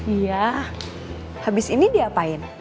iya habis ini diapain